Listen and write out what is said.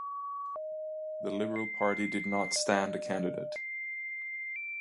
The Liberal Party did not stand a candidate.